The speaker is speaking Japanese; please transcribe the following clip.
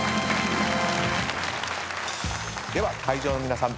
では会場の皆さん